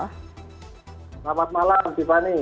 selamat malam tiffany